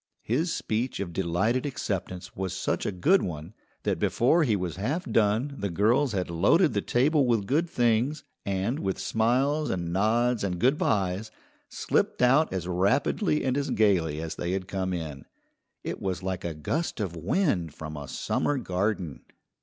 His speech of delighted acceptance was such a good one that before he was half done the girls had loaded the table with good things, and, with smiles and nods and "good byes," slipped out as rapidly and as gayly as they had come in. It was like a gust of wind from a summer garden.